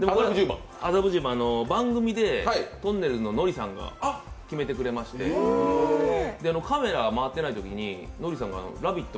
番組でとんねるずののりさんが決めてくれまして、カメラ回ってないときにのりさんが、「ラヴィット！」